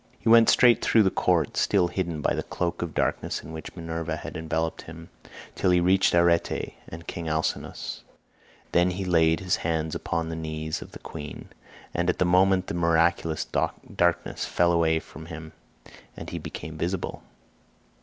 61 He went straight through the court, still hidden by the cloak of darkness in which Minerva had enveloped him, till he reached Arete and King Alcinous; then he laid his hands upon the knees of the queen, and at that moment the miraculous darkness fell away from him and he became visible.